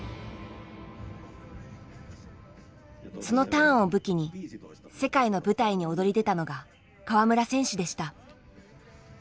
そのターンを武器に世界の舞台に躍り出たのが川村選手でした。